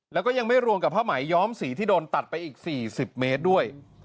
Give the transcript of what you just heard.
แล้วก็ยังไม่รวมกับผ้าไหมย้อมสีที่โดนตัดไปอีก๔๐เมตรด้วย